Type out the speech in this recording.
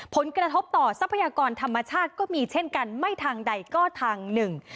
ผลกระทบต่อทรัพยากรธรรมชาติก็มีเช่นกันไม่ทางใดก็ทางหนึ่ง